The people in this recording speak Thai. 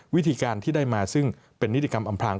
วิธีการที่ได้มาซึ่งเป็นนิติกรรมอำพลาง